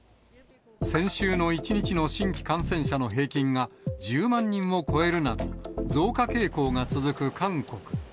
先週の一日の新規感染者の平均が、１０万人を超えるなど、増加傾向が続く韓国。